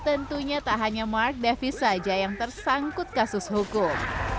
tentunya tak hanya mark davis saja yang tersangkut kasus hukum